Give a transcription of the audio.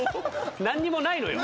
何にもないのよ。